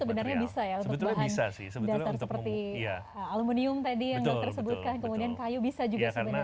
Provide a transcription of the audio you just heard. sebenarnya bisa ya untuk bahan dasar seperti aluminium tadi yang dokter sebutkan kemudian kayu bisa juga sebenarnya